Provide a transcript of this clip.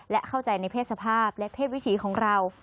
และเข้าใจในเพศสภาพและเพศวิถีของเรา